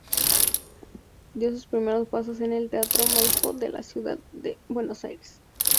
Dio sus primeros pasos en el teatro Maipo de la Ciudad de Buenos Aires.